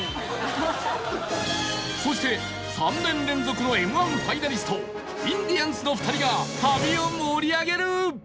そして３年連続の Ｍ−１ ファイナリストインディアンスの２人が旅を盛り上げる